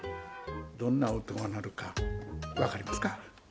どんな音が鳴るかわかりますか？